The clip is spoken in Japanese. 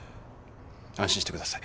安心してください。